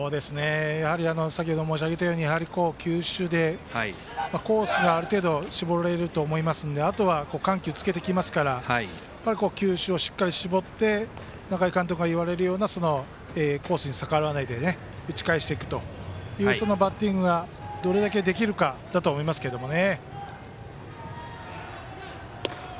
先ほど申し上げたようにやはり球種でコースにある程度絞れると思いますのであとは緩急つけてきますから球種をしっかり絞って中井監督が言われるようなコースに逆らわないで打ち返していくというバッティングがどれだけできるかだと思いますけれどもね。